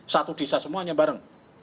satu desa semuanya bareng